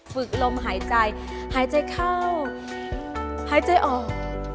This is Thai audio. ลมหายใจหายใจเข้าหายใจออก